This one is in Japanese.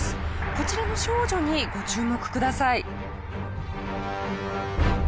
こちらの少女にご注目ください。